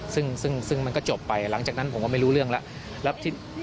ซึ่งซึ่งมันก็จบไปหลังจากนั้นผมก็ไม่รู้เรื่องแล้ว